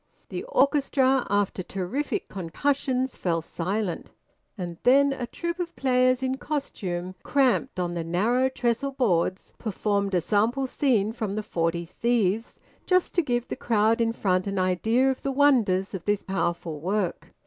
The orchestra, after terrific concussions, fell silent, and then a troupe of players in costume, cramped on the narrow trestle boards, performed a sample scene from "The Forty Thieves," just to give the crowd in front an idea of the wonders of this powerful work.